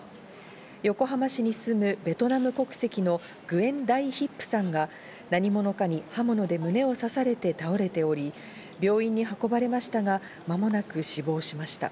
横浜市に住むベトナム国籍のグエン・ダイ・ヒップさんが何者かに刃物で胸を刺されて倒れており、病院に運ばれましたが、間もなく死亡しました。